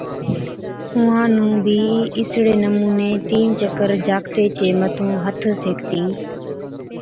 اُونھان نُون بِي اِسڙي نمُوني تين چڪر جاکَتي چي مَٿُون ھٿ سيڪتِي